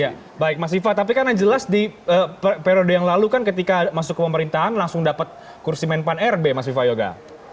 ya baik mas viva tapi kan yang jelas di periode yang lalu kan ketika masuk ke pemerintahan langsung dapat kursi menpan rb mas viva yoga